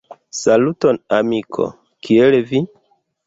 Saluton amiko, kiel vi?